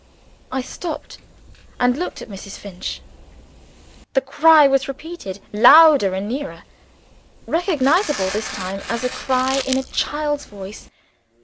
I stopped, and looked at Mrs. Finch. The cry was repeated, louder and nearer: recognizable this time as a cry in a child's voice.